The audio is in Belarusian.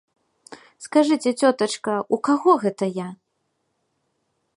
Скажыце, цётачка, у каго гэта я?